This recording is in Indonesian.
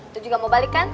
lo juga mau balik kan